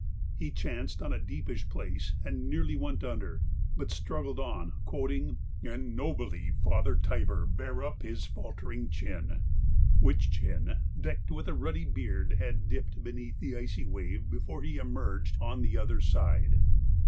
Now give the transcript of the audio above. He chanced on a deepish place, and nearly went under, but struggled on, quoting: 'And nobly Father Tiber bare up his faltering chin'—which chin, decked with a ruddy beard, had dipped beneath the icy wave before he emerged on the other side.